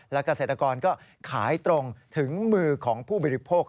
และเกษตรกรก็ขายตรงถึงมือของผู้บริโภค